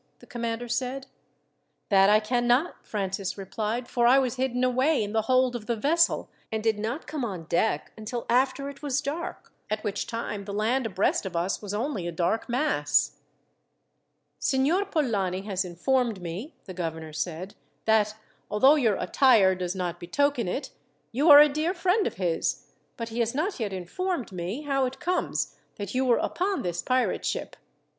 the commander said. "That I cannot," Francis replied; "for I was hidden away in the hold of the vessel, and did not come on deck until after it was dark, at which time the land abreast of us was only a dark mass." "Signor Polani has informed me," the governor said, "that, although your attire does not betoken it, you are a dear friend of his; but he has not yet informed me how it comes that you were upon this pirate ship."